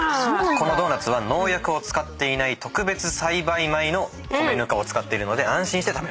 このドーナツは農薬を使っていない特別栽培米の米ぬかを使っているので安心して食べられると。